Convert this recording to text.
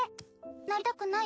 なりたくない？